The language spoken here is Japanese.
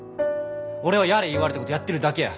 俺はやれ言われたことやってるだけや。